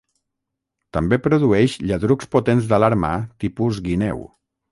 També produeix lladrucs potents d'alarma tipus guineu.